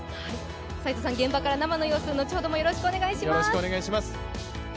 斎藤さん、現場から生の様子後ほどもお願いします。